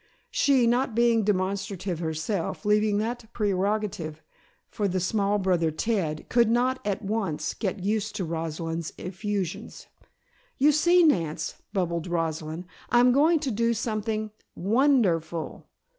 She, not being demonstrative herself, leaving that prerogative for the small brother Ted, could not at once get used to Rosalind's effusions. "You see, Nance," bubbled Rosalind, "I'm going to do something won der ful!"